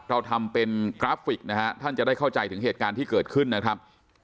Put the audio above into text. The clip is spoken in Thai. เราทำเป็นกราฟิกนะฮะท่านจะได้เข้าใจถึงเหตุการณ์ที่เกิดขึ้นนะครับ